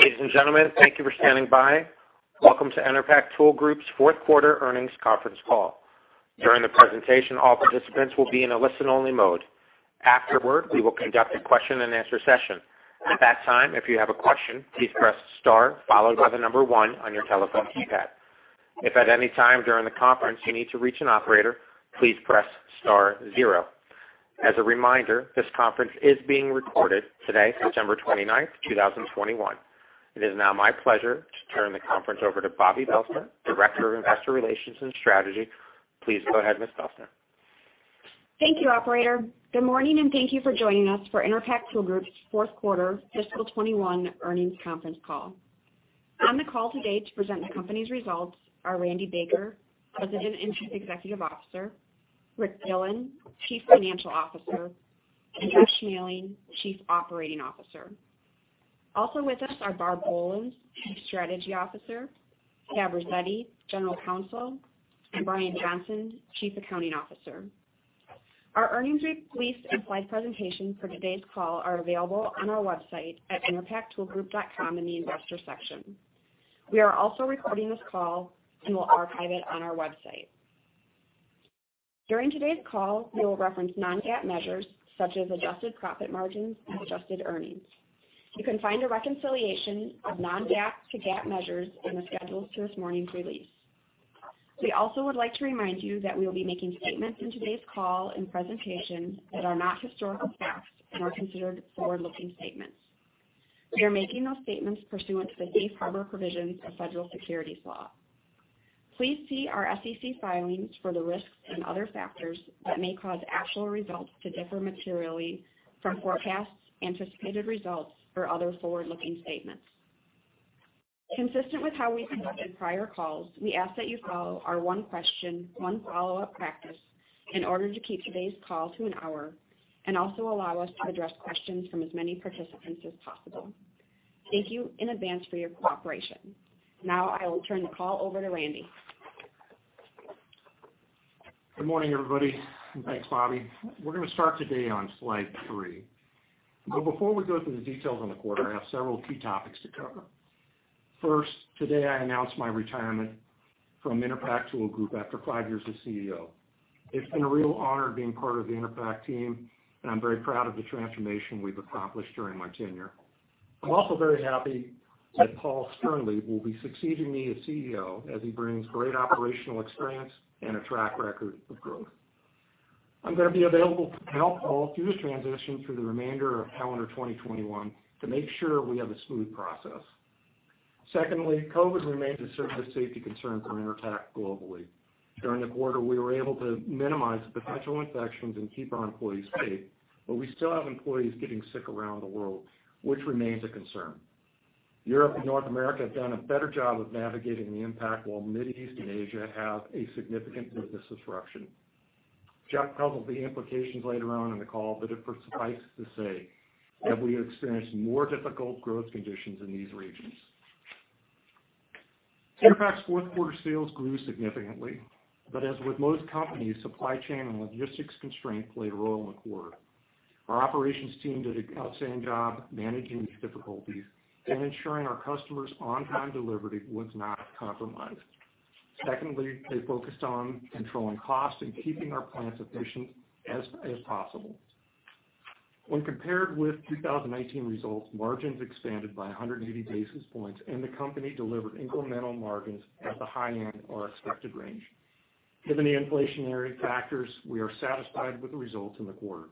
Ladies and gentlemen, thank you for standing by. Welcome to Enerpac Tool Group's fourth quarter earnings conference call. During the presentation, all participants will be in a listen-only mode. Afterward, we will conduct a question and answer session. At that time, if you have a question, please press star followed by the number one on your telephone keypad. If at any time during the conference you need to reach an operator, please press star zero. As a reminder, this conference is being recorded today, September 29th, 2021. It is now my pleasure to turn the conference over to Bobbi Belstner, Director of Investor Relations and Strategy. Please go ahead, Ms. Belstner. Thank you, operator. Good morning, and thank you for joining us for Enerpac Tool Group's fourth quarter fiscal 2021 earnings conference call. On the call today to present the company's results are Randy Baker, President and Chief Executive Officer; Rick Dillon, Chief Financial Officer; and Jeff Schmaling, Chief Operating Officer. Also with us are Barb Bolens, Chief Strategy Officer; Deborah Zubaty, General Counsel; and Bryan Johnson, Chief Accounting Officer. Our earnings release and slide presentation for today's call are available on our website at enerpactoolgroup.com in the investor section. We are also recording this call and will archive it on our website. During today's call, we will reference non-GAAP measures such as adjusted profit margins and adjusted earnings. You can find a reconciliation of non-GAAP to GAAP measures in the schedules to this morning's release. We also would like to remind you that we will be making statements in today's call and presentations that are not historical facts and are considered forward-looking statements. We are making those statements pursuant to the safe harbor provisions of federal securities law. Please see our SEC filings for the risks and other factors that may cause actual results to differ materially from forecasts, anticipated results, or other forward-looking statements. Consistent with how we've conducted prior calls, we ask that you follow our one question, one follow-up practice in order to keep today's call to an hour and also allow us to address questions from as many participants as possible. Thank you in advance for your cooperation. Now I will turn the call over to Randy Baker. Good morning, everybody, and thanks, Bobbie. We're going to start today on slide three. Before we go through the details on the quarter, I have several key topics to cover. First, today I announce my retirement from Enerpac Tool Group after five years as CEO. It's been a real honor being part of the Enerpac team, and I'm very proud of the transformation we've accomplished during my tenure. I'm also very happy that Paul Sternlieb will be succeeding me as CEO as he brings great operational experience and a track record of growth. I'm going to be available to help Paul through this transition through the remainder of calendar 2021 to make sure we have a smooth process. Secondly, COVID remains a serious safety concern for Enerpac globally. During the quarter, we were able to minimize potential infections and keep our employees safe, but we still have employees getting sick around the world, which remains a concern. Europe and North America have done a better job of navigating the impact, while Middle East and Asia have a significant business disruption. Jeff covers the implications later on in the call, but suffice to say that we have experienced more difficult growth conditions in these regions. Enerpac's fourth quarter sales grew significantly, but as with most companies, supply chain and logistics constraints played a role in the quarter. Our operations team did an outstanding job managing these difficulties and ensuring our customers' on-time delivery was not compromised. Secondly, they focused on controlling costs and keeping our plants efficient as possible. When compared with 2019 results, margins expanded by 180 basis points, and the company delivered incremental margins at the high end of our expected range. Given the inflationary factors, we are satisfied with the results in the quarter.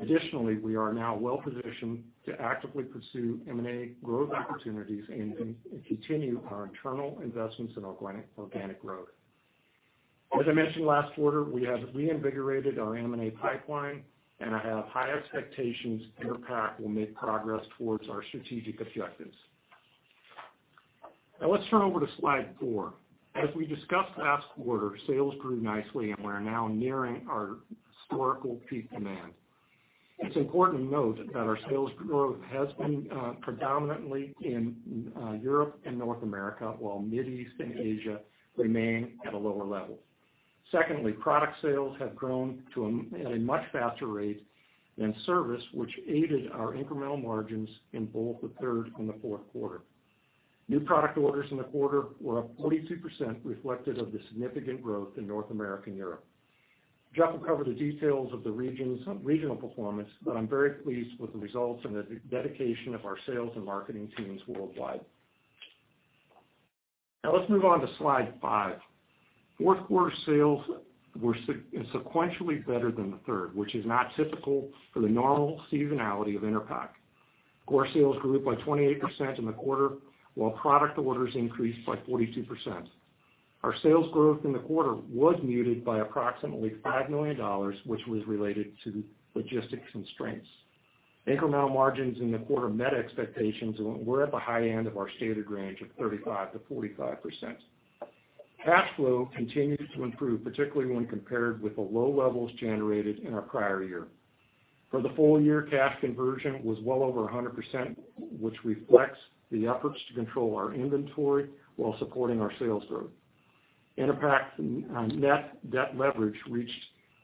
Additionally, we are now well-positioned to actively pursue M&A growth opportunities and continue our internal investments in organic growth. As I mentioned last quarter, we have reinvigorated our M&A pipeline, and I have high expectations Enerpac will make progress towards our strategic objectives. Now let's turn over to slide four. As we discussed last quarter, sales grew nicely, and we're now nearing our historical peak demand. It's important to note that our sales growth has been predominantly in Europe and North America, while Middle East and Asia remain at a lower level. Product sales have grown at a much faster rate than service, which aided our incremental margins in both the third and the fourth quarter. New product orders in the quarter were up 42%, reflective of the significant growth in North America and Europe. Jeff will cover the details of the regional performance, but I'm very pleased with the results and the dedication of our sales and marketing teams worldwide. Let's move on to slide five. Fourth quarter sales were sequentially better than the third, which is not typical for the normal seasonality of Enerpac. Core sales grew by 28% in the quarter, while product orders increased by 42%. Our sales growth in the quarter was muted by approximately $5 million, which was related to logistics constraints. Incremental margins in the quarter met expectations and were at the high end of our stated range of 35%-45%. Cash flow continued to improve, particularly when compared with the low levels generated in our prior year. For the full year, cash conversion was well over 100%, which reflects the efforts to control our inventory while supporting our sales growth. Enerpac's net debt leverage reached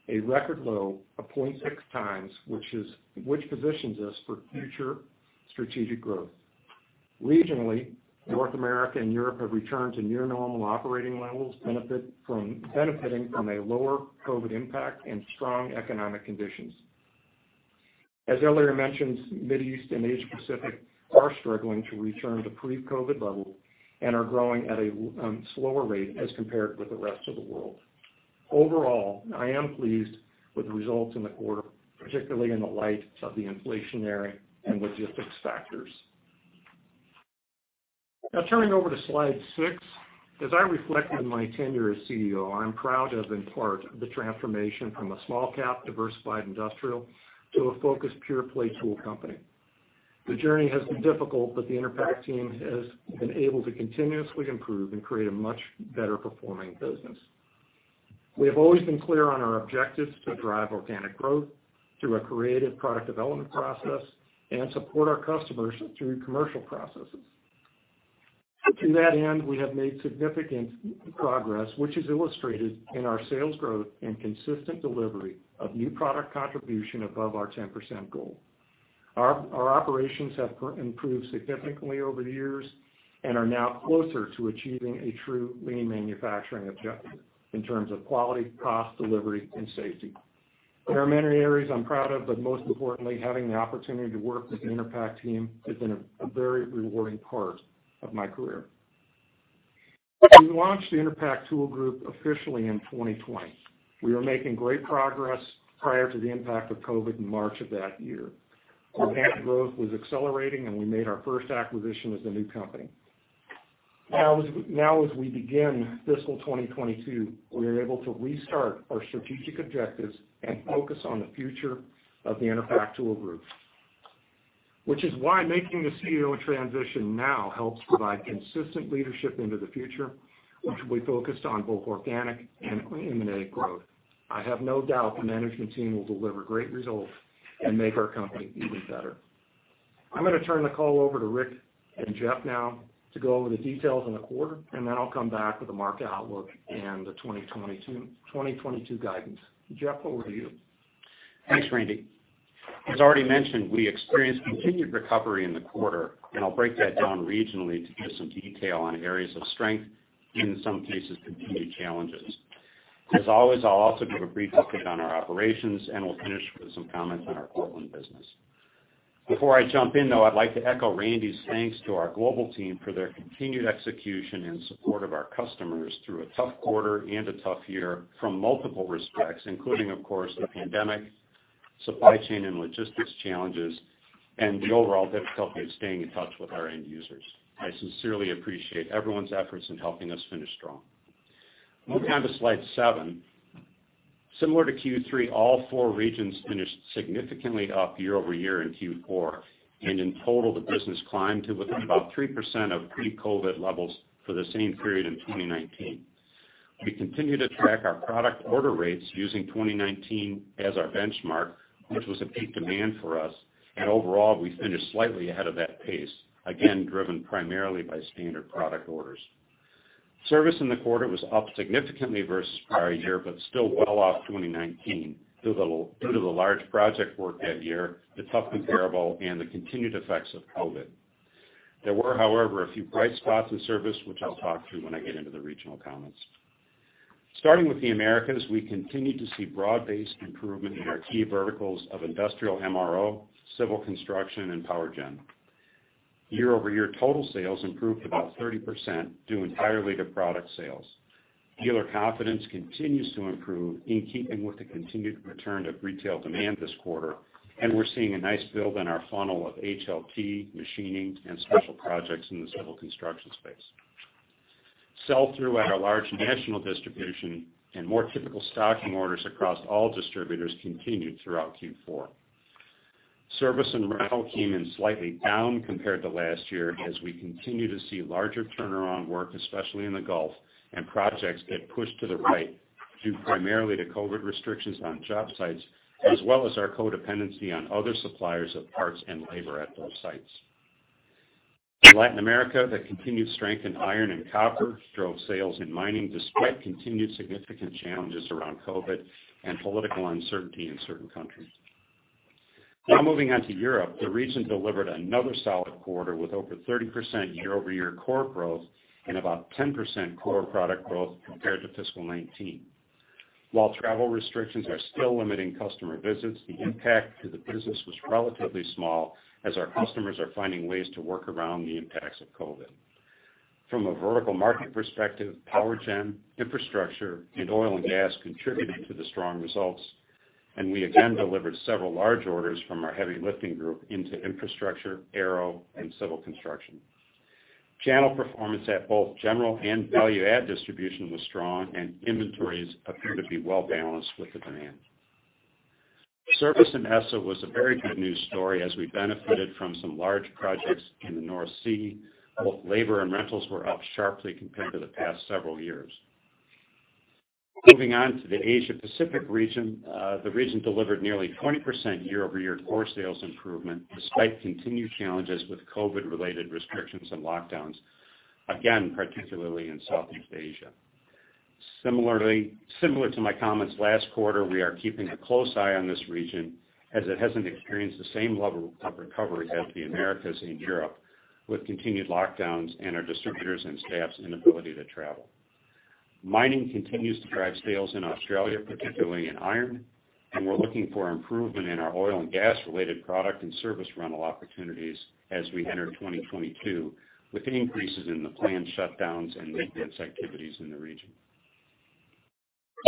a record low of 0.6 times, which positions us for future strategic growth. Regionally, North America and Europe have returned to near normal operating levels, benefiting from a lower COVID impact and strong economic conditions. As earlier mentioned, Middle East and Asia Pacific are struggling to return to pre-COVID levels and are growing at a slower rate as compared with the rest of the world. Overall, I am pleased with the results in the quarter, particularly in the light of the inflationary and logistics factors. Now turning over to slide six. As I reflect on my tenure as CEO, I'm proud to have been part of the transformation from a small cap diversified industrial to a focused pure play tool company. The Enerpac team has been able to continuously improve and create a much better performing business. We have always been clear on our objectives to drive organic growth through a creative product development process and support our customers through commercial processes. To that end, we have made significant progress, which is illustrated in our sales growth and consistent delivery of new product contribution above our 10% goal. Our operations have improved significantly over the years and are now closer to achieving a true lean manufacturing objective in terms of quality, cost, delivery, and safety. There are many areas I'm proud of, but most importantly, having the opportunity to work with the Enerpac team has been a very rewarding part of my career. We launched the Enerpac Tool Group officially in 2020. We were making great progress prior to the impact of COVID in March of that year. Organic growth was accelerating, and we made our first acquisition as a new company. Now as we begin fiscal 2022, we are able to restart our strategic objectives and focus on the future of the Enerpac Tool Group, which is why making the CEO transition now helps provide consistent leadership into the future, which will be focused on both organic and inorganic growth. I have no doubt the management team will deliver great results and make our company even better. I'm going to turn the call over to Rick and Jeff now to go over the details in the quarter, and then I'll come back with the market outlook and the 2022 guidance. Jeff, over to you. Thanks, Randy. As already mentioned, we experienced continued recovery in the quarter, I'll break that down regionally to give some detail on areas of strength, in some cases, continued challenges. As always, I'll also give a brief update on our operations, We'll finish with some comments on our Cortland business. Before I jump in, though, I'd like to echo Randy's thanks to our global team for their continued execution in support of our customers through a tough quarter and a tough year from multiple respects, including, of course, the pandemic, supply chain and logistics challenges, and the overall difficulty of staying in touch with our end users. I sincerely appreciate everyone's efforts in helping us finish strong. Moving down to slide seven. Similar to Q3, all four regions finished significantly up year-over-year in Q4. In total, the business climbed to within about 3% of pre-COVID levels for the same period in 2019. We continue to track our product order rates using 2019 as our benchmark, which was a peak demand for us. Overall, we finished slightly ahead of that pace, again, driven primarily by standard product orders. Service in the quarter was up significantly versus prior year, still well off 2019 due to the large project work that year, the tough comparable, and the continued effects of COVID. There were, however, a few bright spots in service, which I'll talk through when I get into the regional comments. Starting with the Americas, we continued to see broad-based improvement in our key verticals of industrial MRO, civil construction, and power gen. Year-over-year total sales improved about 30% due entirely to product sales. Dealer confidence continues to improve in keeping with the continued return to retail demand this quarter, and we're seeing a nice build in our funnel of HLP, machining, and special projects in the civil construction space. Sell-through at our large national distribution and more typical stocking orders across all distributors continued throughout Q4. Service and rental came in slightly down compared to last year as we continue to see larger turnaround work, especially in the Gulf, and projects get pushed to the right due primarily to COVID restrictions on job sites, as well as our codependency on other suppliers of parts and labor at those sites. In Latin America, the continued strength in iron and copper drove sales in mining despite continued significant challenges around COVID and political uncertainty in certain countries. Now moving on to Europe. The region delivered another solid quarter with over 30% year-over-year core growth and about 10% core product growth compared to fiscal 2019. While travel restrictions are still limiting customer visits, the impact to the business was relatively small as our customers are finding ways to work around the impacts of COVID. From a vertical market perspective, power gen, infrastructure, and oil and gas contributed to the strong results, and we again delivered several large orders from our heavy lifting group into infrastructure, aero, and civil construction. Channel performance at both general and value-add distribution was strong and inventories appear to be well-balanced with the demand. Service in EMEA was a very good news story as we benefited from some large projects in the North Sea. Both labor and rentals were up sharply compared to the past several years. Moving on to the Asia-Pacific region. The region delivered nearly 20% year-over-year core sales improvement despite continued challenges with COVID-related restrictions and lockdowns, again, particularly in Southeast Asia. Similar to my comments last quarter, we are keeping a close eye on this region as it hasn't experienced the same level of recovery as the Americas and Europe, with continued lockdowns and our distributors' and staff's inability to travel. Mining continues to drive sales in Australia, particularly in iron, and we're looking for improvement in our oil and gas-related product and service rental opportunities as we enter 2022, with increases in the planned shutdowns and maintenance activities in the region.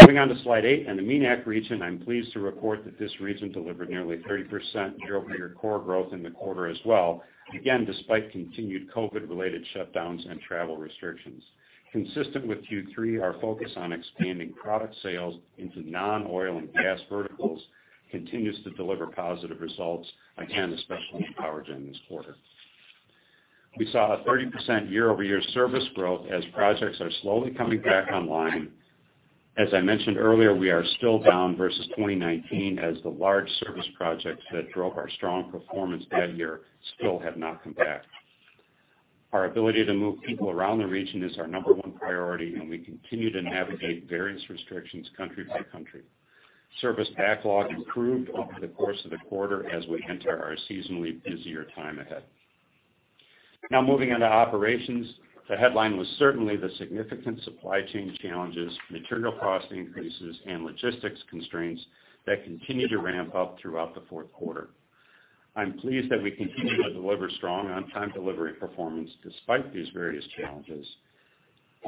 Moving on to slide eight and the MENAC region, I'm pleased to report that this region delivered nearly 30% year-over-year core growth in the quarter as well, again, despite continued COVID-related shutdowns and travel restrictions. Consistent with Q3, our focus on expanding product sales into non-oil and gas verticals continues to deliver positive results, again, especially in power gen this quarter. We saw a 30% year-over-year service growth as projects are slowly coming back online. As I mentioned earlier, we are still down versus 2019 as the large service projects that drove our strong performance that year still have not come back. Our ability to move people around the region is our number one priority, and we continue to navigate various restrictions country by country. Service backlog improved over the course of the quarter as we enter our seasonally busier time ahead. Now moving on to operations. The headline was certainly the significant supply chain challenges, material cost increases, and logistics constraints that continued to ramp up throughout the fourth quarter. I'm pleased that we continue to deliver strong on-time delivery performance despite these various challenges.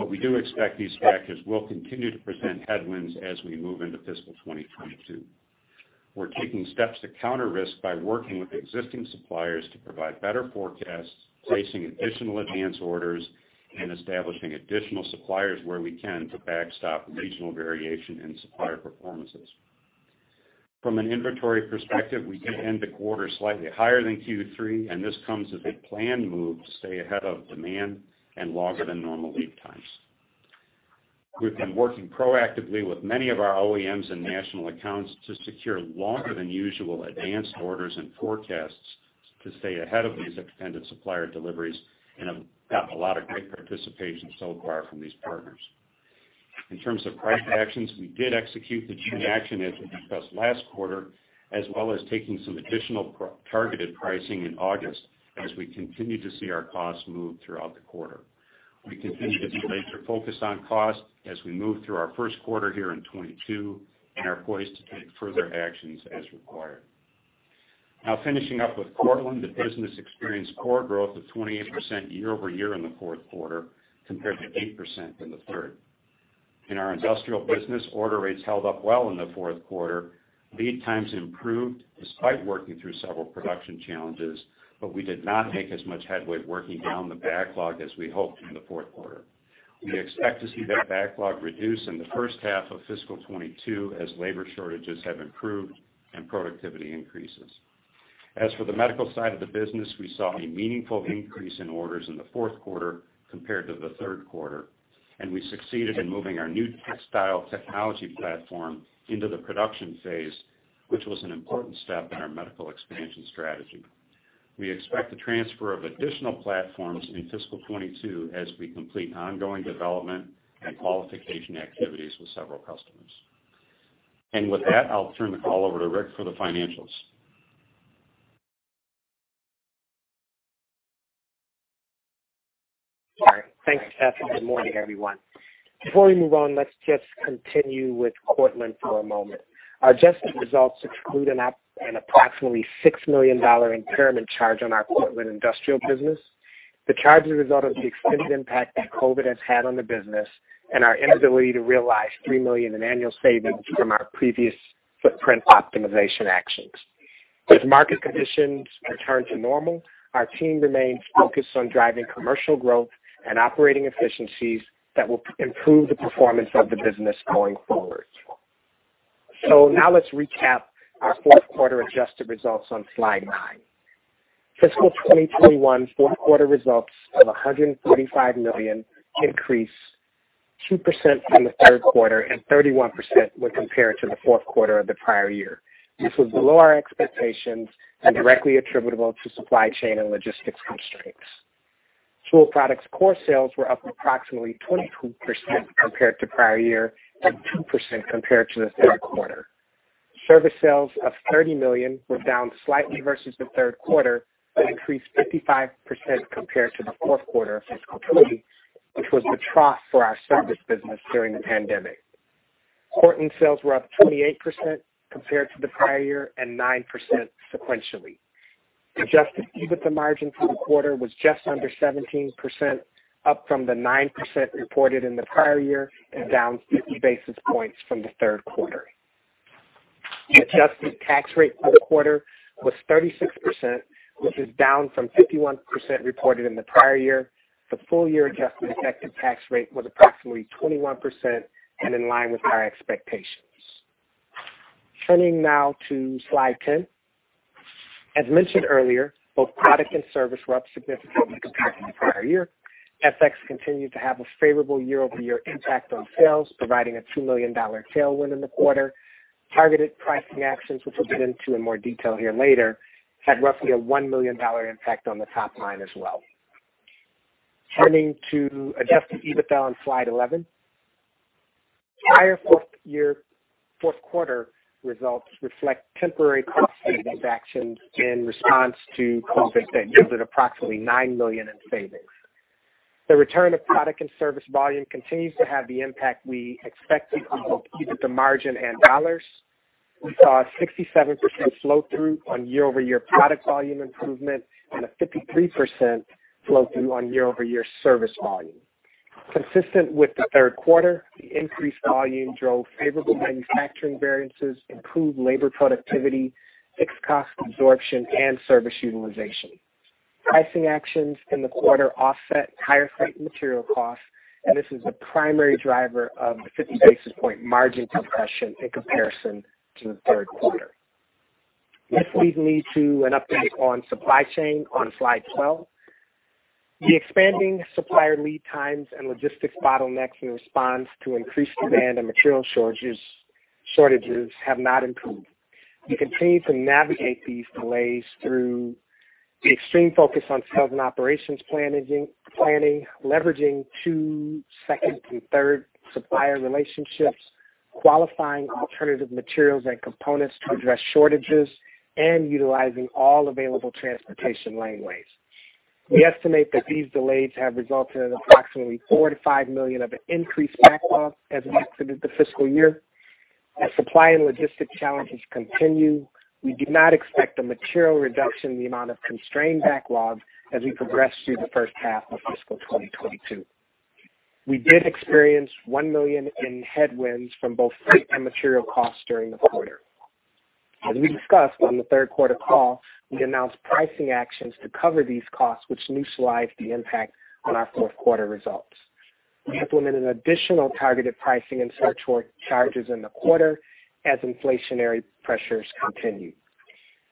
We do expect these factors will continue to present headwinds as we move into fiscal 2022. We're taking steps to counter risk by working with existing suppliers to provide better forecasts, placing additional advance orders, and establishing additional suppliers where we can to backstop regional variation in supplier performances. From an inventory perspective, we did end the quarter slightly higher than Q3, and this comes as a planned move to stay ahead of demand and longer than normal lead times. We've been working proactively with many of our OEMs and national accounts to secure longer than usual advanced orders and forecasts to stay ahead of these extended supplier deliveries and have gotten a lot of great participation so far from these partners. In terms of price actions, we did execute the June action as we discussed last quarter, as well as taking some additional targeted pricing in August as we continued to see our costs move throughout the quarter. We continue to be laser-focused on cost as we move through our first quarter here in 2022 and are poised to take further actions as required. Finishing up with Cortland. The business experienced core growth of 28% year-over-year in the fourth quarter compared to 8% in the third. In our industrial business, order rates held up well in the fourth quarter. Lead times improved despite working through several production challenges, we did not make as much headway working down the backlog as we hoped in the fourth quarter. We expect to see that backlog reduce in the first half of fiscal 2022 as labor shortages have improved and productivity increases. As for the medical side of the business, we saw a meaningful increase in orders in the fourth quarter compared to the third quarter, and we succeeded in moving our new textile technology platform into the production phase, which was an important step in our medical expansion strategy. We expect the transfer of additional platforms in fiscal 2022 as we complete ongoing development and qualification activities with several customers. With that, I'll turn the call over to Rick for the financials. All right. Thanks, Jeff, good morning, everyone. Before we move on, let's just continue with Cortland for a moment. Our adjusted results exclude an approximately $6 million impairment charge on our Cortland industrial business. The charge is a result of the extended impact that COVID has had on the business and our inability to realize $3 million in annual savings from our previous footprint optimization actions. As market conditions return to normal, our team remains focused on driving commercial growth and operating efficiencies that will improve the performance of the business going forward. Now let's recap our fourth quarter adjusted results on slide nine. Fiscal 2021 fourth quarter results of $135 million increase 2% from the third quarter and 31% when compared to the fourth quarter of the prior year. This was below our expectations and directly attributable to supply chain and logistics constraints. Tool Products core sales were up approximately 22% compared to prior year and 2% compared to the third quarter. Service sales of $30 million were down slightly versus the third quarter but increased 55% compared to the fourth quarter of fiscal 2020, which was the trough for our service business during the pandemic. Cortland sales were up 28% compared to the prior year and 9% sequentially. The adjusted EBITDA margin for the quarter was just under 17%, up from the 9% reported in the prior year and down 50 basis points from the third quarter. The adjusted tax rate for the quarter was 36%, which is down from 51% reported in the prior year. The full-year adjusted effective tax rate was approximately 21% and in line with our expectations. Turning now to slide 10. As mentioned earlier, both product and service were up significantly compared to the prior year. FX continued to have a favorable year-over-year impact on sales, providing a $2 million tailwind in the quarter. Targeted pricing actions, which we'll get into in more detail here later, had roughly a $1 million impact on the top line as well. Turning to adjusted EBITDA on slide 11. Higher fourth-quarter results reflect temporary cost savings actions in response to COVID that yielded approximately $9 million in savings. The return of product and service volume continues to have the impact we expected on both EBITDA margin and dollars. We saw a 67% flow-through on year-over-year product volume improvement and a 53% flow-through on year-over-year service volume. Consistent with the third quarter, the increased volume drove favorable manufacturing variances, improved labor productivity, fixed cost absorption, and service utilization. Pricing actions in the quarter offset higher freight material costs. This is the primary driver of the 50 basis points margin compression in comparison to the third quarter. Let's lead me to an update on supply chain on slide 12. The expanding supplier lead times and logistics bottlenecks in response to increased demand and material shortages have not improved. We continue to navigate these delays through the extreme focus on sales and operations planning, leveraging two second and third supplier relationships, qualifying alternative materials and components to address shortages, and utilizing all available transportation laneways. We estimate that these delays have resulted in approximately $4 million-$5 million of increased backlog as we exited the fiscal year. As supply and logistic challenges continue, we do not expect a material reduction in the amount of constrained backlog as we progress through the first half of fiscal 2022. We did experience $1 million in headwinds from both freight and material costs during the quarter. As we discussed on the third quarter call, we announced pricing actions to cover these costs, which neutralized the impact on our fourth quarter results. We implemented additional targeted pricing and surcharges in the quarter as inflationary pressures continued.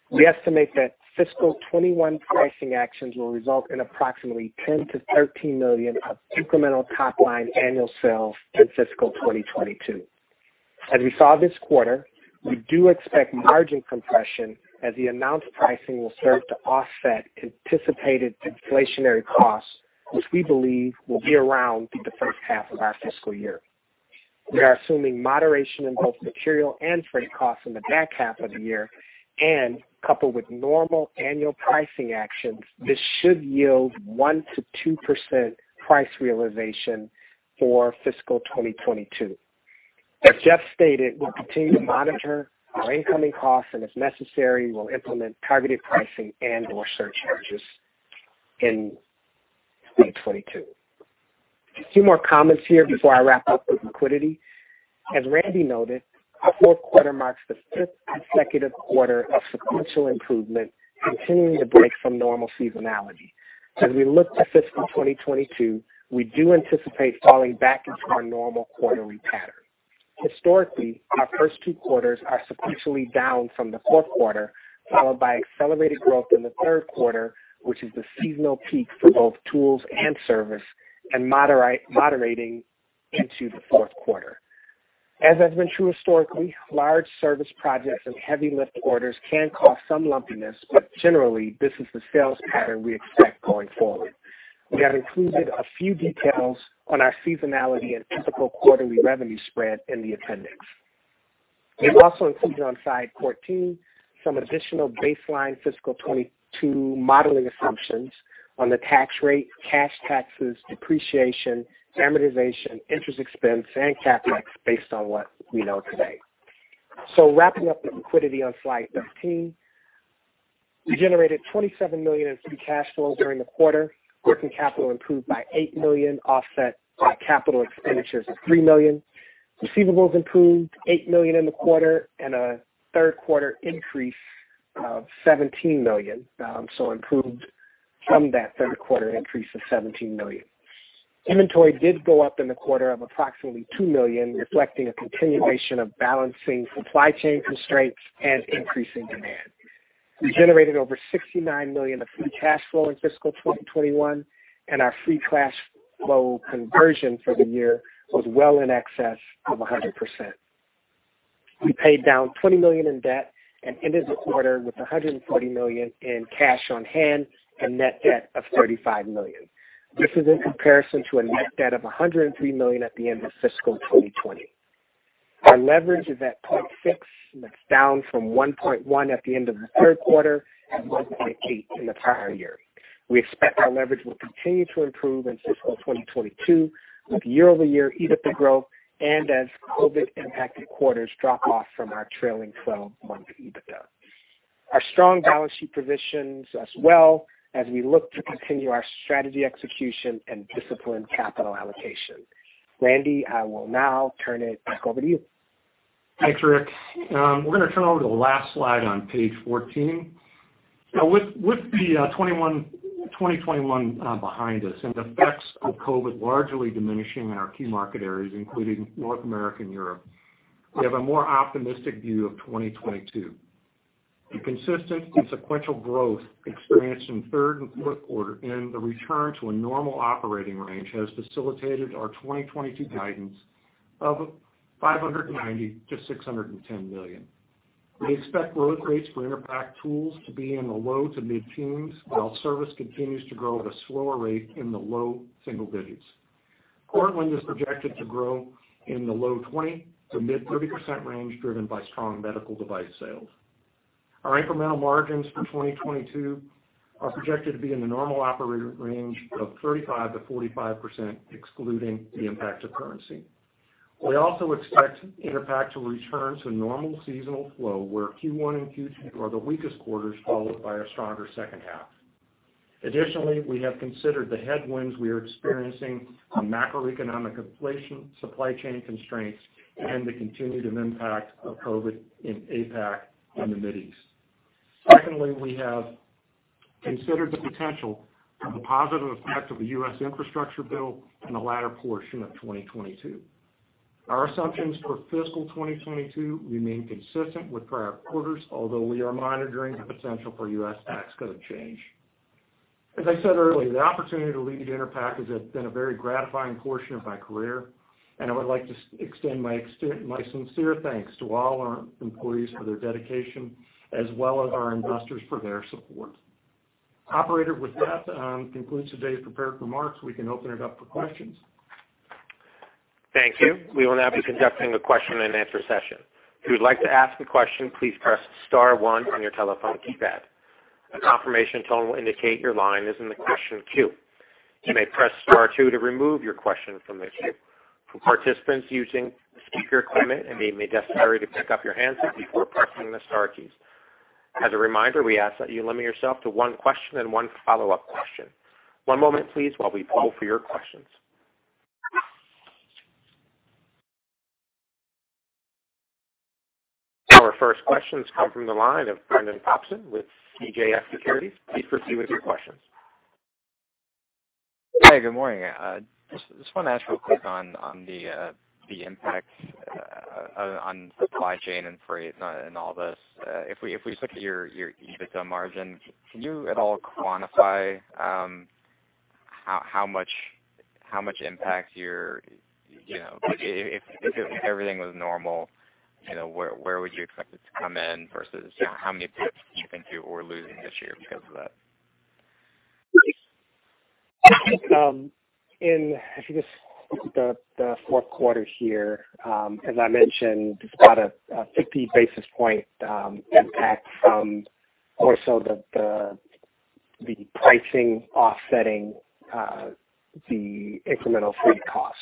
We estimate that fiscal 2021 pricing actions will result in approximately $10 million-$13 million of incremental top-line annual sales in fiscal 2022. As we saw this quarter, we do expect margin compression as the announced pricing will serve to offset anticipated inflationary costs, which we believe will be around through the first half of our fiscal year. We are assuming moderation in both material and freight costs in the back half of the year, and coupled with normal annual pricing actions, this should yield 1%-2% price realization for fiscal 2022. As Jeff stated, we'll continue to monitor our incoming costs, and if necessary, we'll implement targeted pricing and/or surcharges in 2022. A few more comments here before I wrap up with liquidity. As Randy noted, our fourth quarter marks the fifth consecutive quarter of sequential improvement, continuing to break from normal seasonality. As we look to fiscal 2022, we do anticipate falling back into our normal quarterly pattern. Historically, our first two quarters are sequentially down from the fourth quarter, followed by accelerated growth in the third quarter, which is the seasonal peak for both tools and service, and moderating into the fourth quarter. As has been true historically, large service projects and heavy lift orders can cause some lumpiness, but generally, this is the sales pattern we expect going forward. We have included a few details on our seasonality and typical quarterly revenue spread in the appendix. We've also included on slide 14 some additional baseline fiscal 2022 modeling assumptions on the tax rate, cash taxes, depreciation, amortization, interest expense, and CapEx based on what we know today. Wrapping up with liquidity on slide 15. We generated $27 million in free cash flow during the quarter. Working capital improved by $8 million, offset by capital expenditures of $3 million. Receivables improved $8 million in the quarter and a third quarter increase of $17 million, improved from that third quarter increase of $17 million. Inventory did go up in the quarter of approximately $2 million, reflecting a continuation of balancing supply chain constraints and increasing demand. We generated over $69 million of free cash flow in fiscal 2021. Our free cash flow conversion for the year was well in excess of 100%. We paid down $20 million in debt and ended the quarter with $140 million in cash on hand and net debt of $35 million. This is in comparison to a net debt of $103 million at the end of fiscal 2020. Our leverage is at 0.6. That's down from 1.1 at the end of the third quarter and 1.8 in the prior year. We expect our leverage will continue to improve in fiscal 2022 with year-over-year EBITDA growth and as COVID impacted quarters drop off from our trailing 12-month EBITDA. Our strong balance sheet positions us well as we look to continue our strategy execution and disciplined capital allocation. Randy, I will now turn it back over to you. Thanks, Rick. We're going to turn over to the last slide on page 14. With 2021 behind us and the effects of COVID largely diminishing in our key market areas, including North America and Europe, we have a more optimistic view of 2022. The consistent and sequential growth experienced in third and fourth quarter and the return to a normal operating range has facilitated our 2022 guidance of $590 million-$610 million. We expect growth rates for Enerpac tools to be in the low to mid-teens, while service continues to grow at a slower rate in the low single digits. Cortland is projected to grow in the low 20% to mid-30% range, driven by strong medical device sales. Our incremental margins for 2022 are projected to be in the normal operating range of 35%-45%, excluding the impact of currency. We also expect Enerpac to return to normal seasonal flow, where Q1 and Q2 are the weakest quarters, followed by a stronger second half. We have considered the headwinds we are experiencing from macroeconomic inflation, supply chain constraints, and the continued impact of COVID in APAC and the Mid-East. We have considered the potential of the positive effect of the U.S. infrastructure bill in the latter portion of 2022. Our assumptions for fiscal 2022 remain consistent with prior quarters, although we are monitoring the potential for U.S. tax code change. The opportunity to lead Enerpac has been a very gratifying portion of my career, and I would like to extend my sincere thanks to all our employees for their dedication, as well as our investors for their support. Operator, with that, concludes today's prepared remarks. We can open it up for questions. Thank you. We will now be conducting a question and answer session. Our first questions come from the line of Brendan Popson with CJS Securities. Please proceed with your questions. Hey, good morning. Just want to ask real quick on the impact on supply chain and freight and all this. If we look at your EBITDA margin, can you at all quantify how much If everything was normal, where would you expect it to come in versus how many pips do you think you are losing this year because of that? If you just look at the fourth quarter here, as I mentioned, it's about a 50 basis point impact from more so the pricing offsetting the incremental freight costs.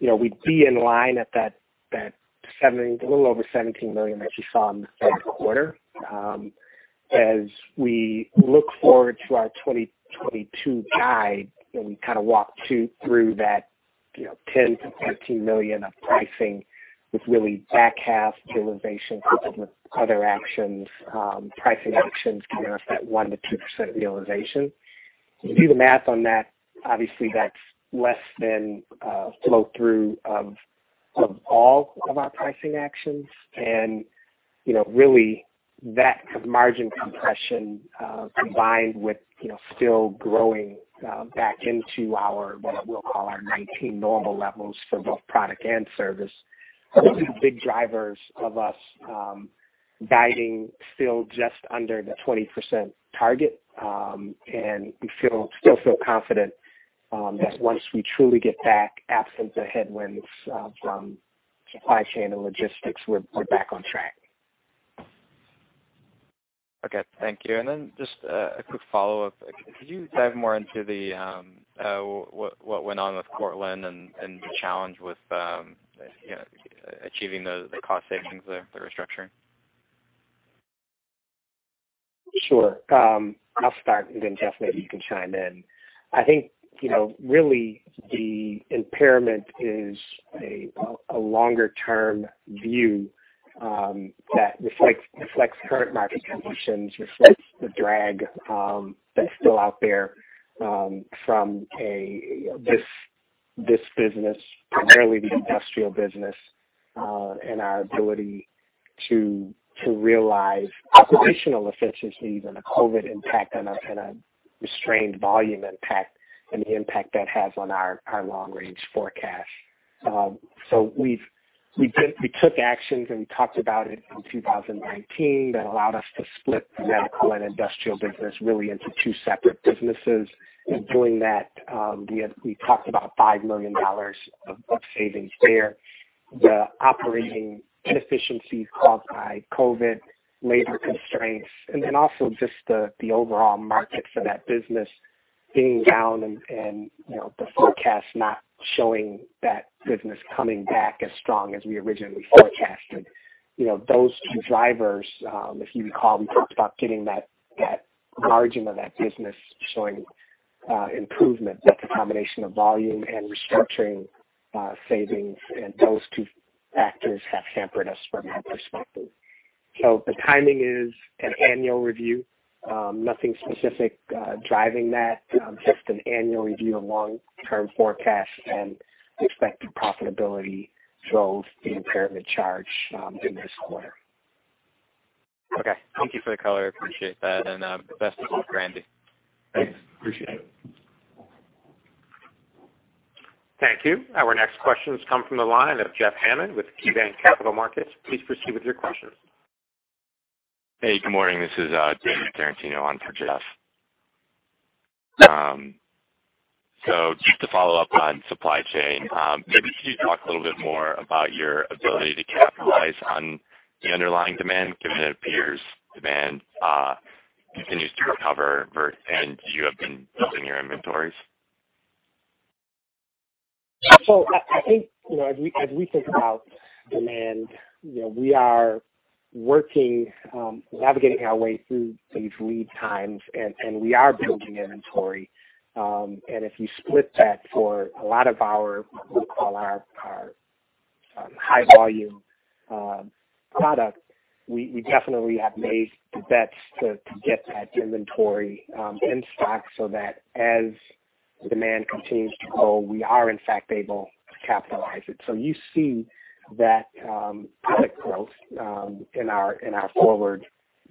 We'd be in line at that a little over $17 million that you saw in the third quarter. As we look forward to our 2022 guide, and we kind of walk through that, $10 million-$15 million of pricing with really back half realization, coupled with other pricing actions giving us that 1%-2% realization. If you do the math on that, obviously that's less than a flow-through of all of our pricing actions. Really, that margin compression, combined with still growing back into our, what we'll call our '19 normal levels for both product and service, those are the big drivers of us guiding still just under the 20% target. We still feel confident that once we truly get back, absent the headwinds from supply chain and logistics, we're back on track. Okay. Thank you. Just a quick follow-up. Could you dive more into what went on with Cortland and the challenge with achieving the cost savings there, the restructuring? Sure. I'll start. Jeff, maybe you can chime in. I think really the impairment is a longer-term view that reflects current market conditions, reflects the drag that's still out there from this business, primarily the industrial business, and our ability to realize operational efficiencies and the COVID impact and a restrained volume impact, and the impact that has on our long-range forecast. We took actions, and we talked about it in 2019. That allowed us to split the medical and industrial business really into 2 separate businesses. In doing that, we talked about $5 million of savings there. The operating inefficiencies caused by COVID, labor constraints, also just the overall market for that business being down and the forecast not showing that business coming back as strong as we originally forecasted. Those two drivers, if you recall, we talked about. The margin of that business is showing improvement with the combination of volume and restructuring savings, and those two factors have hampered us from that perspective. The timing is an annual review. Nothing specific driving that, just an annual review of long-term forecasts and expected profitability drove the impairment charge in this quarter. Okay. Thank you for the color. I appreciate that. Best of luck, Randy. Thanks. Appreciate it. Thank you. Our next questions come from the line of Jeff Hammond with KeyBanc Capital Markets. Please proceed with your questions. Hey, good morning. This is David Tarantino on for Jeff. Just to follow up on supply chain, maybe can you talk a little bit more about your ability to capitalize on the underlying demand, given that it appears demand continues to recover and you have been building your inventories? I think as we think about demand, we are working, navigating our way through these lead times, and we are building inventory. If you split that for a lot of our, what we'll call our high-volume product, we definitely have made the bets to get that inventory in stock so that as demand continues to grow, we are in fact able to capitalize it. You see that product growth in our forward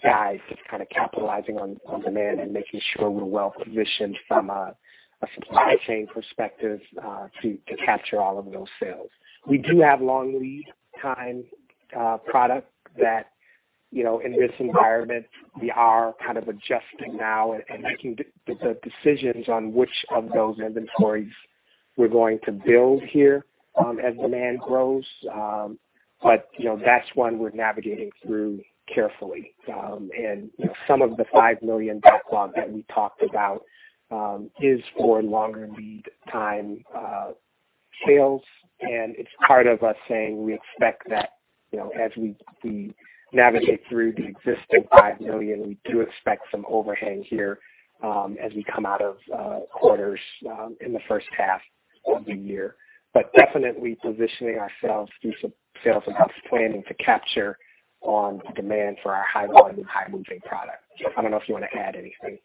guide is kind of capitalizing on demand and making sure we're well-positioned from a supply chain perspective to capture all of those sales. We do have long lead time product that, in this environment, we are kind of adjusting now and making the decisions on which of those inventories we're going to build here as demand grows. That's one we're navigating through carefully. Some of the $5 million backlog that we talked about is for longer lead time sales. It's part of us saying we expect that as we navigate through the existing $5 million, we do expect some overhang here as we come out of quarters in the first half of the year. Definitely positioning ourselves through some sales and cost planning to capture on demand for our high-volume, high-moving product. I don't know if you want to add anything.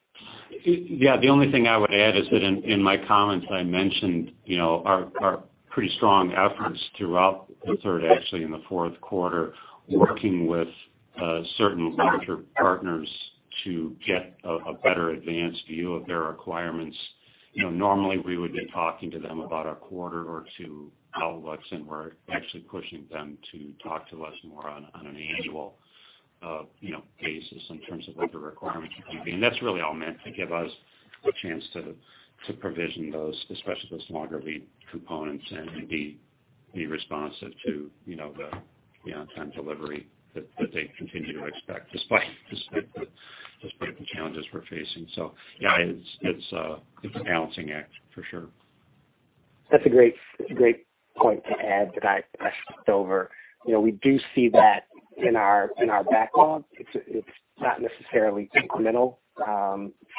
The only thing I would add is that in my comments, I mentioned our pretty strong efforts throughout the third, actually in the fourth quarter, working with certain larger partners to get a better advanced view of their requirements. Normally we would be talking to them about a quarter or two out, and we're actually pushing them to talk to us more on an annual basis in terms of what their requirements should be. That's really all meant to give us a chance to provision those, especially those longer lead components, and be responsive to the on-time delivery that they continue to expect despite the challenges we're facing. It's a balancing act for sure. That's a great point to add that I skipped over. We do see that in our backlog. It's not necessarily incremental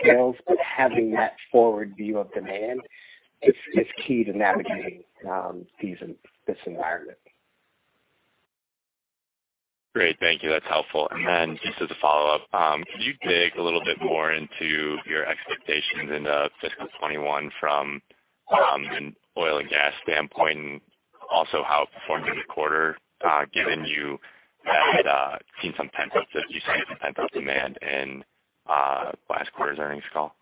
sales, but having that forward view of demand is key to navigating this environment. Great. Thank you. That's helpful. Just as a follow-up, could you dig a little bit more into your expectations into fiscal 2021 from an oil and gas standpoint, and also how it performed in the quarter, given you had seen some pent-up demand in last quarter's earnings call?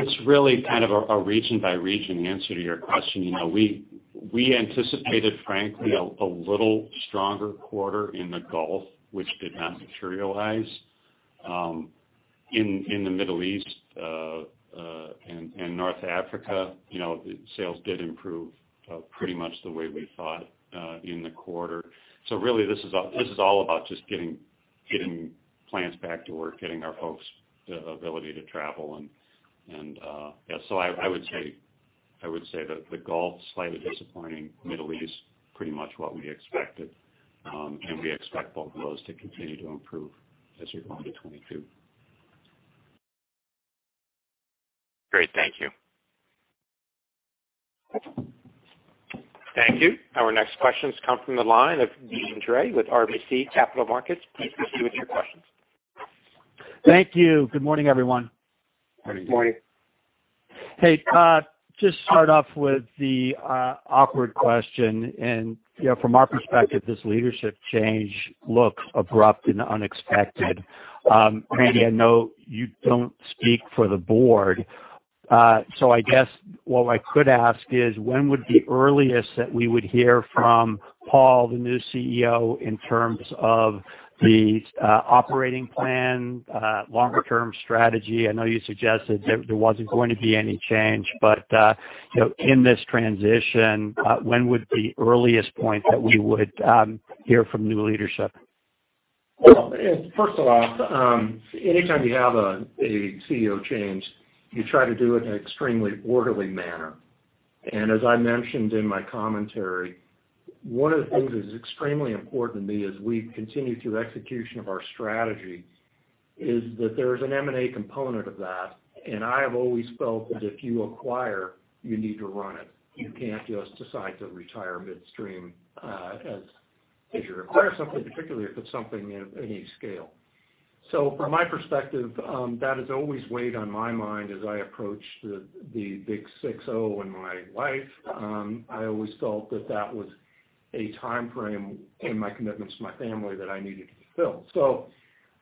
It's really kind of a region-by-region answer to your question. We anticipated, frankly, a little stronger quarter in the Gulf, which did not materialize. In the Middle East and North Africa, sales did improve pretty much the way we thought in the quarter. Really, this is all about just getting plants back to work, getting our folks the ability to travel, and yeah. I would say that the Gulf, slightly disappointing. Middle East, pretty much what we expected. We expect both of those to continue to improve as we go into 2022. Great. Thank you. Thank you. Our next questions come from the line of Deane Dray with RBC Capital Markets. Please proceed with your questions. Thank you. Good morning, everyone. Good morning. Morning. Hey, just start off with the awkward question. From our perspective, this leadership change looks abrupt and unexpected. Randy, I know you don't speak for the board, so I guess what I could ask is when would the earliest that we would hear from Paul, the new CEO, in terms of the operating plan, longer-term strategy? I know you suggested there wasn't going to be any change, but in this transition, when would be earliest point that we would hear from new leadership? Well, first of all, anytime you have a CEO change, you try to do it in an extremely orderly manner. As I mentioned in my commentary, one of the things that is extremely important to me as we continue through execution of our strategy is that there is an M&A component of that, and I have always felt that if you acquire, you need to run it. You can't just decide to retire midstream as you acquire something, particularly if it's something of any scale. From my perspective, that has always weighed on my mind as I approach the big 60 in my life. I always felt that that was a timeframe in my commitments to my family that I needed to fulfill.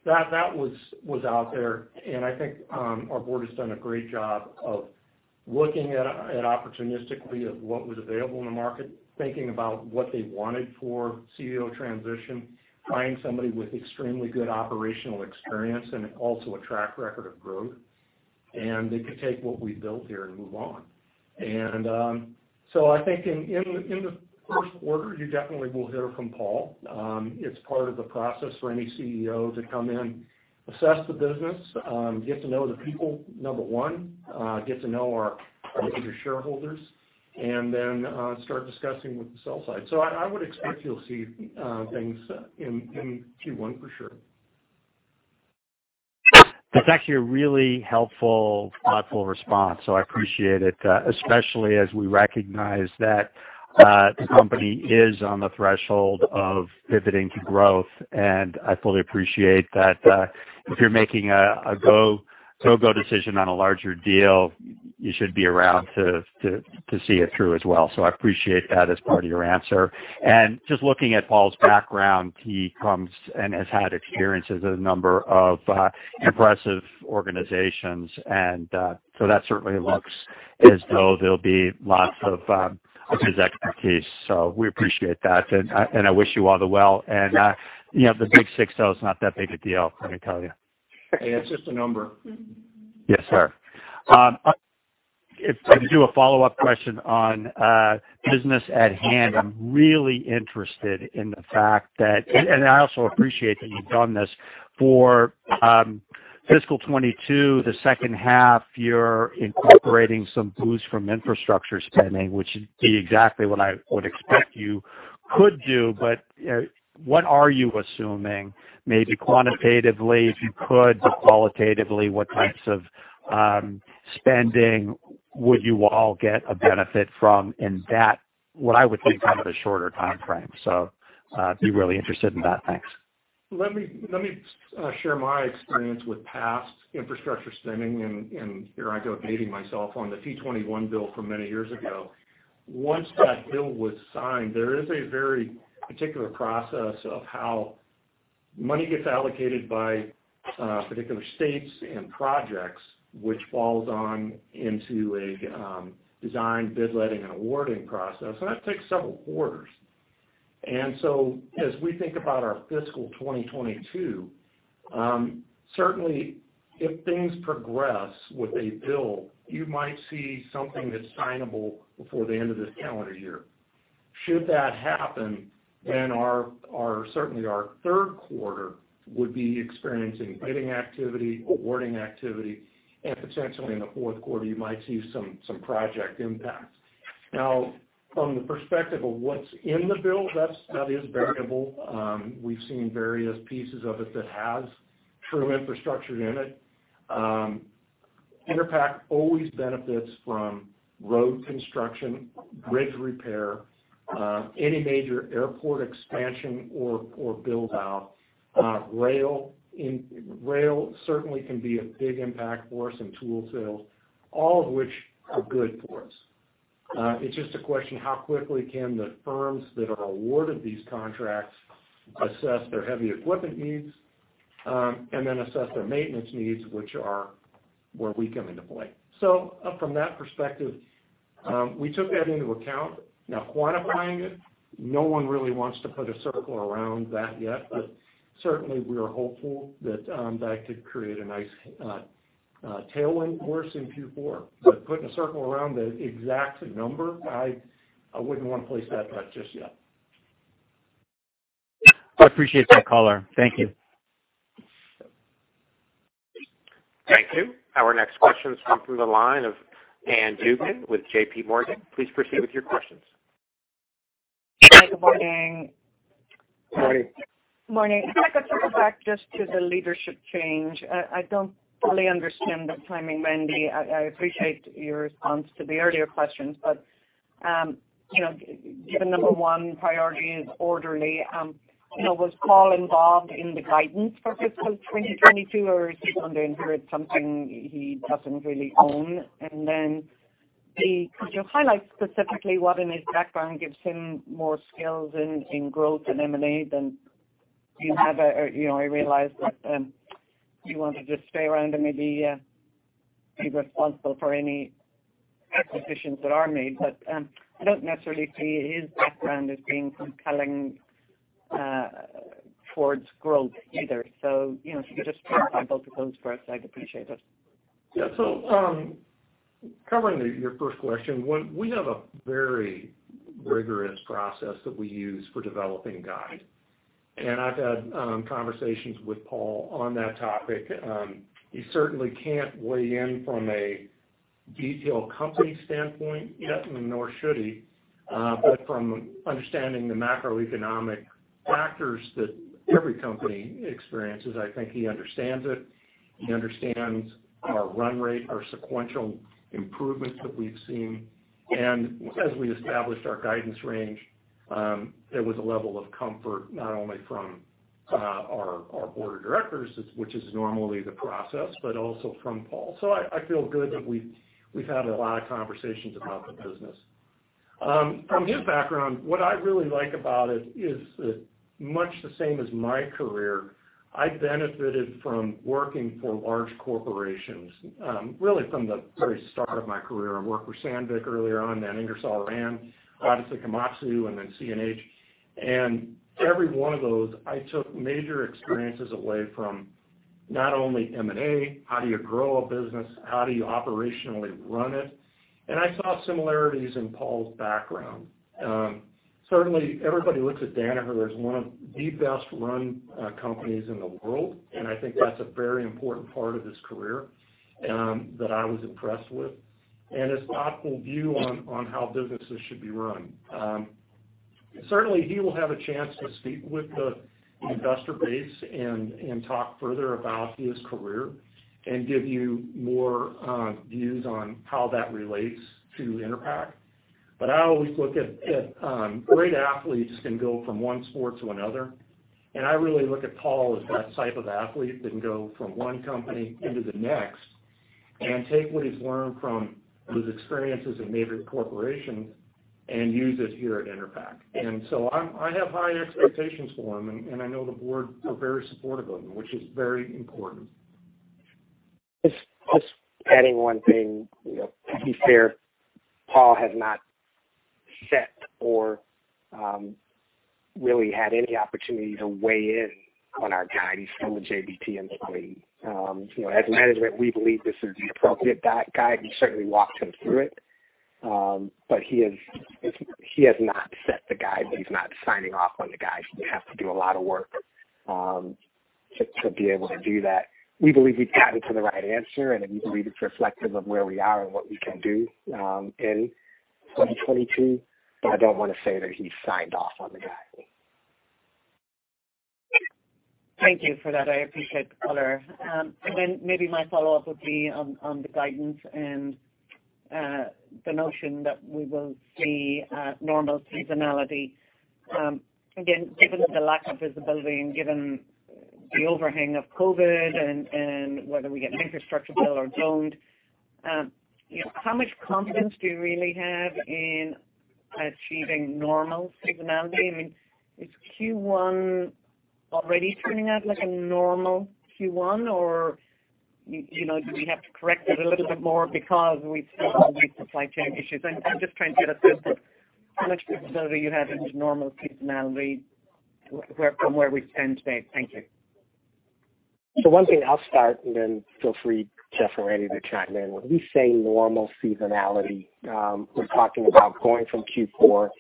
That was out there, and I think our board has done a great job of looking at it opportunistically of what was available in the market, thinking about what they wanted for CEO transition, finding somebody with extremely good operational experience and also a track record of growth, and they could take what we've built here and move on. I think in the first quarter, you definitely will hear from Paul. It's part of the process for any CEO to come in, assess the business, get to know the people, number one, get to know our major shareholders, and then start discussing with the sell side. I would expect you'll see things in Q1 for sure. That's actually a really helpful, thoughtful response, so I appreciate it, especially as we recognize that the company is on the threshold of pivoting to growth. I fully appreciate that if you're making a go, no-go decision on a larger deal, you should be around to see it through as well. I appreciate that as part of your answer. Just looking at Paul's background, he comes and has had experiences at a number of impressive organizations. That certainly looks as though there'll be lots of his expertise. We appreciate that, and I wish you all the well. The big 60 is not that big a deal, let me tell you. Hey, it's just a number. Yes, sir. If I could do a follow-up question on business at hand. I'm really interested in the fact that, and I also appreciate that you've done this for fiscal 2022, the second half, you're incorporating some boost from infrastructure spending, which would be exactly what I would expect you could do. What are you assuming, maybe quantitatively, if you could, but qualitatively, what types of spending would you all get a benefit from in that, what I would think of as a shorter timeframe? Be really interested in that. Thanks. Let me share my experience with past infrastructure spending, and here I go dating myself on the TEA-21 bill from many years ago. Once that bill was signed, there is a very particular process of how money gets allocated by particular states and projects, which falls on into a design, bid letting, and awarding process. That takes several quarters. As we think about our fiscal 2022, certainly if things progress with a bill, you might see something that's signable before the end of this calendar year. Should that happen, then certainly our third quarter would be experiencing bidding activity, awarding activity, and potentially in the fourth quarter, you might see some project impact. Now, from the perspective of what's in the bill, that is variable. We've seen various pieces of it that has true infrastructure in it. Enerpac always benefits from road construction, bridge repair, any major airport expansion or build-out. Rail certainly can be a big impact for us in tool sales, all of which are good for us. It's just a question how quickly can the firms that are awarded these contracts assess their heavy equipment needs, and then assess their maintenance needs, which are where we come into play. From that perspective, we took that into account. Now, quantifying it, no one really wants to put a circle around that yet, but certainly we are hopeful that that could create a nice tailwind for us in Q4. Putting a circle around the exact number, I wouldn't want to place that bet just yet. I appreciate that color. Thank you. Thank you. Our next question comes from the line of Ann Duignan with JPMorgan. Please proceed with your questions. Hi, good morning. Morning. Morning. If I could circle back just to the leadership change. I don't fully understand the timing, Randy. I appreciate your response to the earlier questions, but given number 1 priority is orderly, was Paul involved in the guidance for fiscal 2022, or is he going to inherit something he doesn't really own? Could you highlight specifically what in his background gives him more skills in growth and M&A than you have? I realize that you want to just stay around and maybe be responsible for any acquisitions that are made. I don't necessarily see his background as being compelling towards growth either. If you could just touch on both of those for us, I'd appreciate it. Yeah. Covering your first question, we have a very rigorous process that we use for developing guidance. I've had conversations with Paul on that topic. He certainly can't weigh in from a detailed company standpoint, nor should he. From understanding the macroeconomic factors that every company experiences, I think he understands it. He understands our run rate, our sequential improvements that we've seen. As we established our guidance range, there was a level of comfort not only from our board of directors, which is normally the process, but also from Paul. I feel good that we've had a lot of conversations about the business. From his background, what I really like about it is that much the same as my career, I benefited from working for large corporations, really from the very start of my career. I worked for Sandvik earlier on, then Ingersoll Rand, obviously Komatsu, and then CNH. Every one of those, I took major experiences away from not only M&A, how do you grow a business, how do you operationally run it. I saw similarities in Paul's background. Certainly, everybody looks at Danaher as one of the best-run companies in the world, and I think that's a very important part of his career that I was impressed with, and his thoughtful view on how businesses should be run. Certainly, he will have a chance to speak with the investor base and talk further about his career and give you more views on how that relates to Enerpac. I always look at great athletes can go from one sport to another, and I really look at Paul as that type of athlete that can go from one company into the next and take what he's learned from those experiences at major corporations and use it here at Enerpac. I have high expectations for him, and I know the board are very supportive of him, which is very important. Just adding one thing. To be fair, Paul has not set or really had any opportunity to weigh in on our guidance from a JBT standpoint. As management, we believe this is the appropriate guide. We certainly walked him through it. He has not set the guide. He's not signing off on the guide. He would have to do a lot of work to be able to do that. We believe we've gotten to the right answer, and we believe it's reflective of where we are and what we can do in 2022. I don't want to say that he's signed off on the guide. Thank you for that. I appreciate the color. Maybe my follow-up would be on the guidance and the notion that we will see normal seasonality. Again, given the lack of visibility and given the overhang of COVID and whether we get an infrastructure bill or don't, how much confidence do you really have in achieving normal seasonality? Is Q1 already turning out like a normal Q1, or do we have to correct it a little bit more because we still have these supply chain issues? I'm just trying to get a sense of how much visibility you have into normal seasonality from where we stand today. Thank you. One thing, I'll start, and then feel free, Jeff or Randy, to chime in. When we say normal seasonality, we're talking about going from Q4 to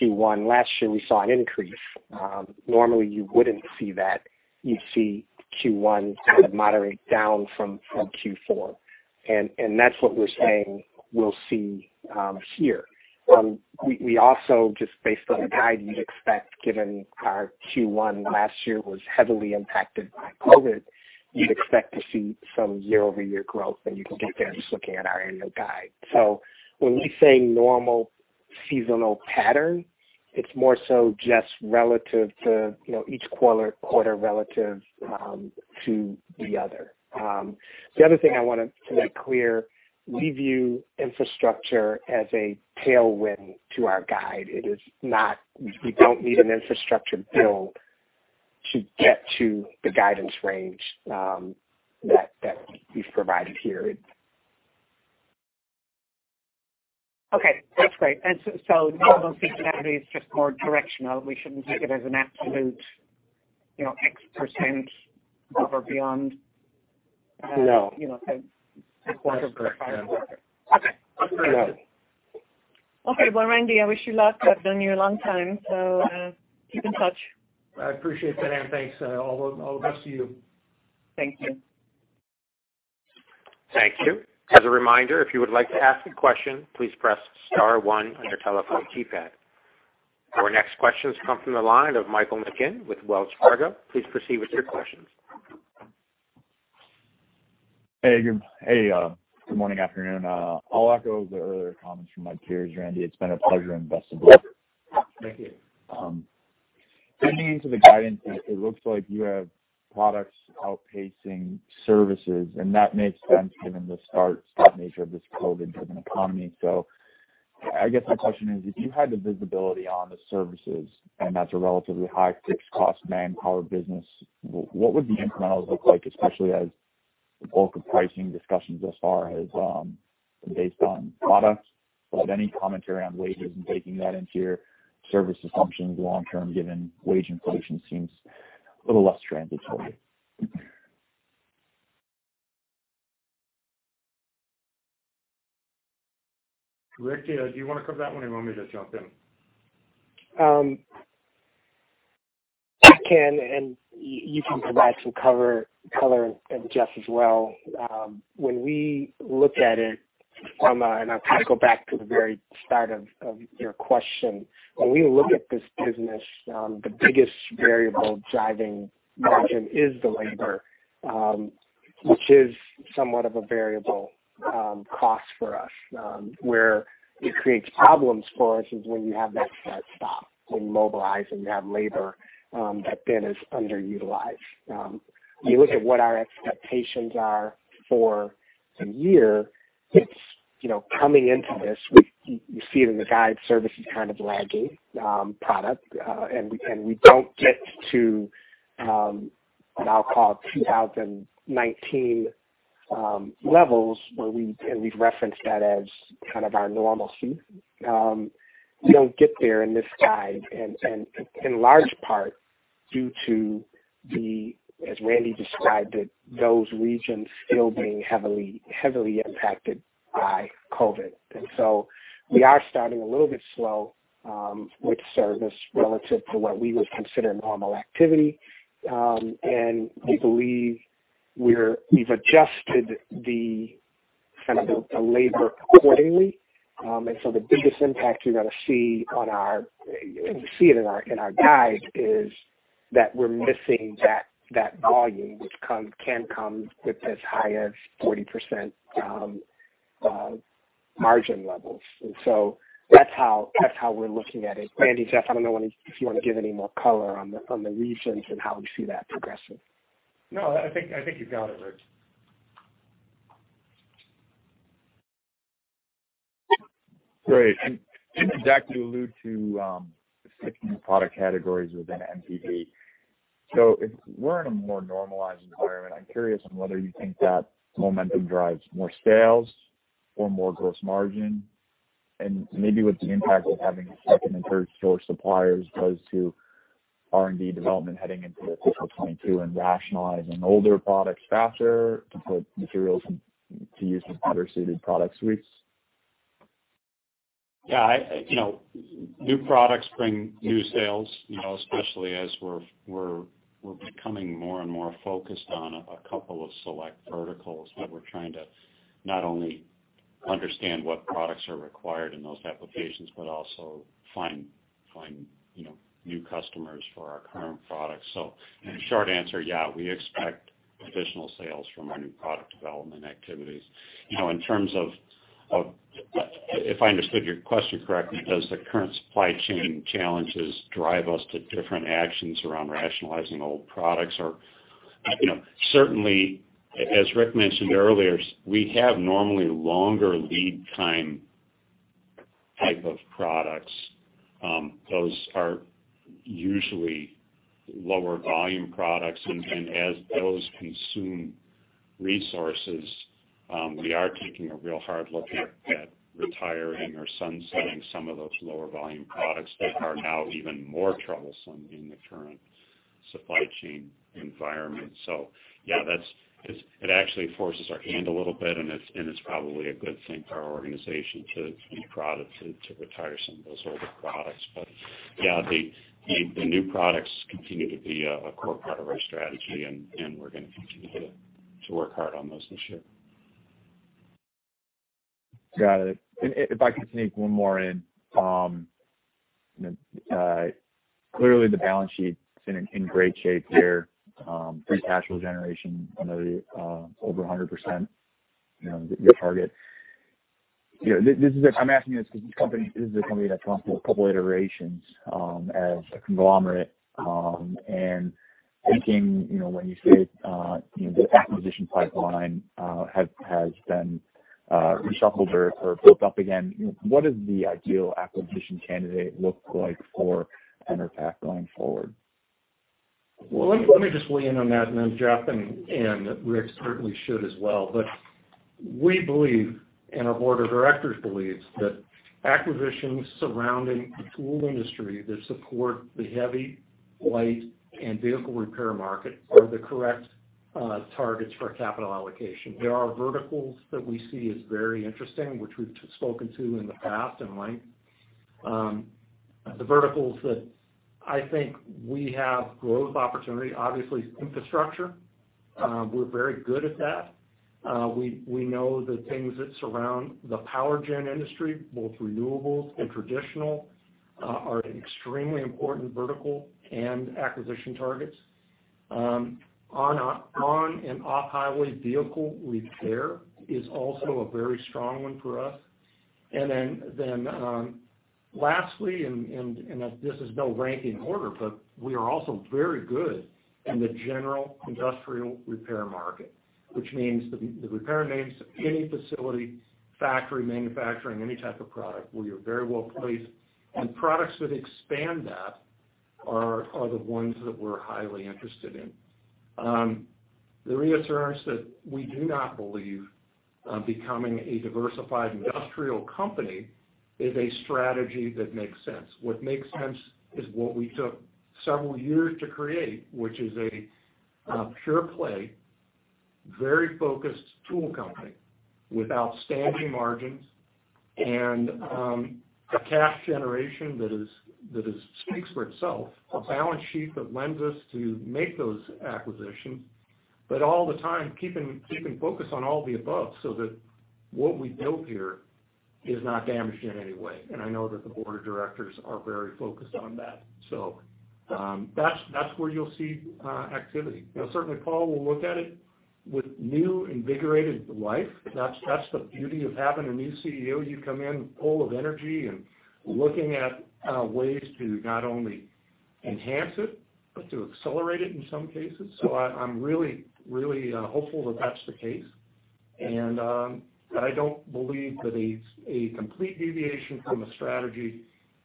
Q1. Last year, we saw an increase. Normally, you wouldn't see that. You'd see Q1 kind of moderate down from Q4. That's what we're saying we'll see here. We also, just based on the guide, you'd expect, given our Q1 last year was heavily impacted by COVID, you'd expect to see some year-over-year growth, and you can get there just looking at our annual guide. When we say normal seasonal pattern, it's more so just each quarter relative to the other. The other thing I want to make clear, we view infrastructure as a tailwind to our guide. We don't need an infrastructure bill to get to the guidance range that we've provided here. Okay. That's great. Normal seasonality is just more directional. We shouldn't take it as an absolute x percentage. Okay. Understood. Okay. Well, Randy, I wish you luck. I have known you a long time, so keep in touch. I appreciate that. Thanks. All the best to you. Thank you. Thank you. As a reminder, if you would like to ask a question, please press star one on your telephone keypad. Our next question has come from the line of Michael McGinn with Wells Fargo. Please proceed with your questions. Hey. Good morning, afternoon. I'll echo the earlier comments from my peers, Randy. It's been a pleasure investing with you. Thank you. Digging into the guidance, it looks like you have products outpacing services. That makes sense given the start-stop nature of this COVID-driven economy. I guess my question is, if you had the visibility on the services, and that's a relatively high fixed cost manpower business, what would the incrementals look like, especially as the bulk of pricing discussions thus far has been based on products? Any commentary on wages and baking that into your service assumptions long term, given wage inflation seems a little less transitory? Rick, do you want to cover that one or you want me to jump in? I can, and you can provide some color, and Jeff as well. When we look at it from a I'll go back to the very start of your question. When we look at this business, the biggest variable driving margin is the labor, which is somewhat of a variable cost for us. Where it creates problems for us is when you have that set stop, when you mobilize and you have labor that then is underutilized. When you look at what our expectations are for the year, coming into this, you see it in the guide, service is kind of lagging product. We don't get to what I'll call 2019 levels, and we've referenced that as kind of our normalcy. We don't get there in this guide, and in large part due to the, as Randy described it, those regions still being heavily impacted by COVID. We are starting a little bit slow with service relative to what we would consider normal activity. We believe we've adjusted the labor accordingly. The biggest impact you're going to see in our guide is that we're missing that volume, which can come with as high as 40% margin levels. That's how we're looking at it. Randy, Jeff, I don't know if you want to give any more color on the regions and how we see that progressing. No, I think you've got it, Rick. Great. You allude to the 16 product categories within NPD. If we're in a more normalized environment, I'm curious on whether you think that momentum drives more sales or more gross margin, and maybe what the impact of having a second and third source supplier does to R&D development heading into fiscal 2022 and rationalizing older products faster to put materials to use in other suited product suites. Yeah. New products bring new sales, especially as we're becoming more and more focused on a couple of select verticals that we're trying to not only understand what products are required in those applications, but also find new customers for our current products. In short answer, yeah, we expect additional sales from our new product development activities. In terms of, if I understood your question correctly, does the current supply chain challenges drive us to different actions around rationalizing old products? Certainly, as Rick mentioned earlier, we have normally longer lead time type of products. Those are usually lower volume products. As those consume resources, we are taking a real hard look at retiring or sunsetting some of those lower volume products that are now even more troublesome in the current supply chain environment. Yeah, it actually forces our hand a little bit, and it's probably a good thing for our organization to retire some of those older products. Yeah, the new products continue to be a core part of our strategy, and we're going to continue to work hard on those this year. Got it. If I could sneak one more in. Clearly the balance sheet's in great shape here. Free cash flow generation another over 100% your target. I'm asking you this because this is a company that's gone through a couple iterations as a conglomerate. Thinking, when you say the acquisition pipeline has been reshuffled or built up again, what does the ideal acquisition candidate look like for Enerpac going forward? Well, let me just weigh in on that, and then Jeff and Rick certainly should as well. We believe, and our Board of Directors believes, that acquisitions surrounding the tool industry that support the heavy, light, and vehicle repair market are the correct targets for capital allocation. There are verticals that we see as very interesting, which we've spoken to in the past and like. The verticals that I think we have growth opportunity, obviously, is infrastructure. We're very good at that. We know the things that surround the power gen industry, both renewables and traditional, are an extremely important vertical and acquisition targets. On- and off-highway vehicle repair is also a very strong one for us. Lastly, and this is no ranking order, but we are also very good in the general industrial repair market, which means the repair needs of any facility, factory, manufacturing, any type of product, we are very well placed. Products that expand that are the ones that we're highly interested in. Let me reassure us that we do not believe becoming a diversified industrial company is a strategy that makes sense. What makes sense is what we took several years to create, which is a pure play Very focused tool company with outstanding margins and a cash generation that speaks for itself. A balance sheet that lends us to make those acquisitions, but all the time keeping focus on all the above so that what we built here is not damaged in any way. I know that the board of directors are very focused on that. That's where you'll see activity. Certainly, Paul will look at it with new, invigorated life. That's the beauty of having a new CEO. You come in full of energy and looking at ways to not only enhance it, but to accelerate it in some cases. I'm really hopeful that's the case. I don't believe that a complete deviation from a strategy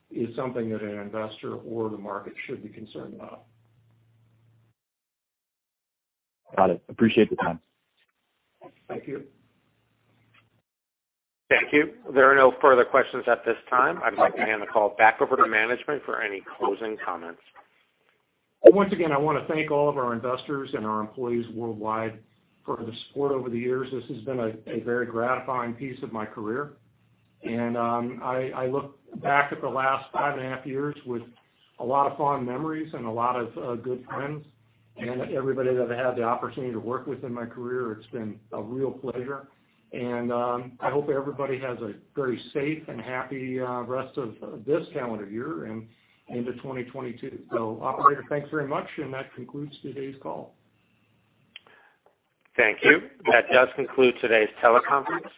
is something that an investor or the market should be concerned about. Got it. Appreciate the time. Thank you. Thank you. There are no further questions at this time. I'd like to hand the call back over to management for any closing comments. Once again, I want to thank all of our investors and our employees worldwide for the support over the years. This has been a very gratifying piece of my career, and I look back at the last 5.5 years with a lot of fond memories and a lot of good friends, and everybody that I had the opportunity to work with in my career, it's been a real pleasure, and I hope everybody has a very safe and happy rest of this calendar year and into 2022. Operator, thanks very much, and that concludes today's call. Thank you. That does conclude today's teleconference.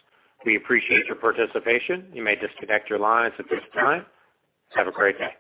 We appreciate your participation. You may disconnect your lines at this time. Have a great day.